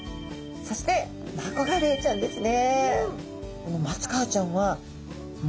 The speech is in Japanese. そしてマコガレイちゃんですね。